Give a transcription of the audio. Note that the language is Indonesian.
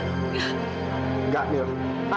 aku gak akan lepasin kamu